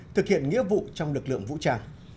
thực hiện nghĩa vụ trong lực lượng vũ trang